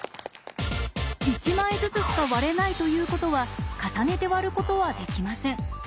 １枚ずつしか割れないということは重ねて割ることはできません。